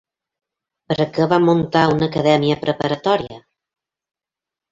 Per a què van muntar una acadèmia preparatòria?